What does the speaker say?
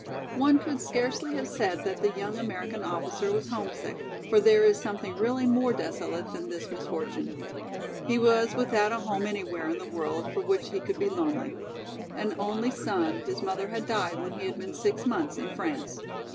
One could scarcely have said that the young American officer was homesick, for there is something really more desolate than this misfortune. He was without a home anywhere in the world for which he could be lonely. An only son, his mother had died when he had been six months in France.